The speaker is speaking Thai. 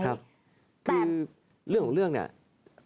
คือเรื่องของเรื่องเนี่ย